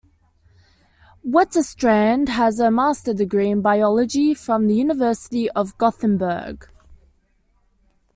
Wetterstrand has a master's degree in biology from the University of Gothenburg.